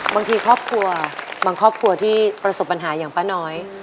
บางครอบครัวที่ประสบปัญหาอย่างป้าน้อย